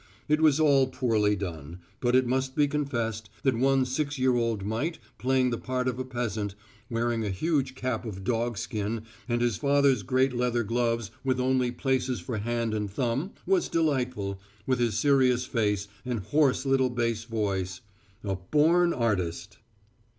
It was all poorly done, but it must be confessed that one six year old mite playing the part of a peasant, wearing a huge cap of dog skin and his father's great leather gloves with only places for hand and thumb, was delightful, with his serious face and hoarse little bass voice a born artist.